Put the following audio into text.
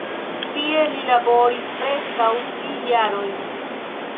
Tie li laboris preskaŭ tri jarojn.